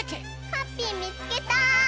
ハッピーみつけた！